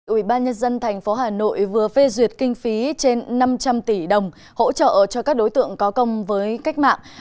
ủy ban nhân dân tp hà nội vừa phê duyệt kinh phí trên năm trăm linh tỷ đồng hỗ trợ cho các đối tượng có công với cách mạng